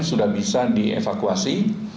sudah bisa dievakuasi